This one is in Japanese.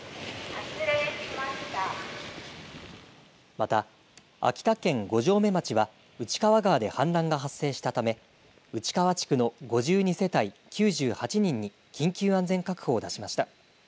また秋田県五城目町は内川川で氾濫が発生したため内川地区の５２世帯９８人に緊急安全確保を出しました。